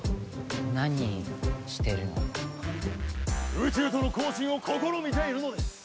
宇宙との交信を試みているのです。